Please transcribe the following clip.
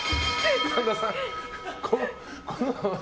神田さん